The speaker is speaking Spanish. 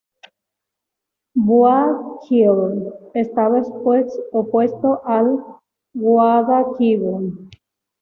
Búa-kviðr estaba opuesto al Goða-kviðr.